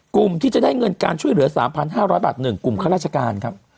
กลุ่มที่จะได้เงินการช่วยเหลือ๓๕๐๐บาท๑กลุ่มข้าราชการครับ